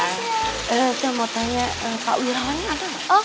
eh tuh mau tanya kak wirawangnya ada nggak